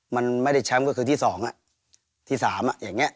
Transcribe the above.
มันไม่ได้แชมป์ก็คือที่๒อ่ะที่๓อ่ะอย่างเงี้ย